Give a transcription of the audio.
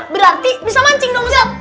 berarti bisa mancing dong zap